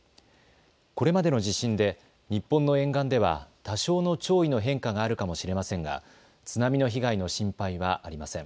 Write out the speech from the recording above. これまでの地震で日本の沿岸では多少の潮位の変化があるかもしれませんが津波の被害の心配はありません。